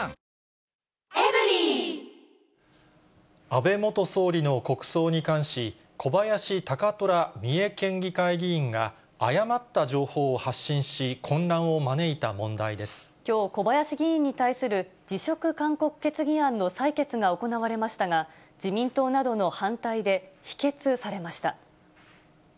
安倍元総理の国葬に関し、小林貴虎三重県議会議員が、誤った情報を発信し、混乱を招いきょう、小林議員に対する辞職勧告決議案の採決が行われましたが、自民党などの反対で否決されました。